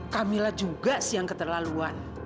kamilah juga sih yang keterlaluan